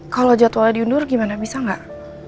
kalau jadwal diundur gimana bisa nggak